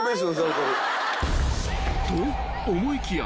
［と思いきや